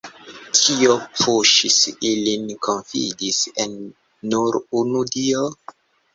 Kio puŝis ilin konfidis en nur unu Dio?